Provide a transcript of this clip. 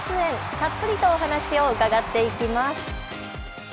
たっぷりとお話を伺っていきます。